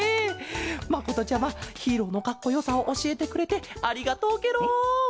まことちゃまヒーローのかっこよさをおしえてくれてありがとうケロ。